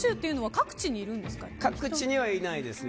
各地にはいないですね。